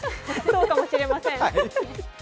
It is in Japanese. そうかもしれません。